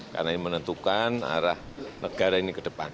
karena ini menentukan arah negara ini ke depan